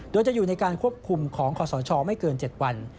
โดยจะอยู่ในการควบคุมของขอสชไม่เกิน๗วัน